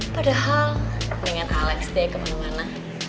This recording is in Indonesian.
padahal dengan alex day kemana mana